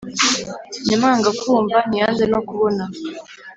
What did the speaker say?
nyamwangakumva ntiyanze no kubona